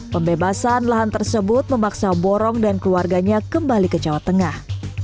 pembebasan lahan tersebut memaksa borong dan keluarganya kembali ke jawa tengah